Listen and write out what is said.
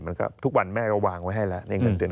ทุกวันแม่ก็วางไว้ให้แล้วในเงินเดือน